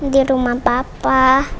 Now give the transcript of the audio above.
di rumah papa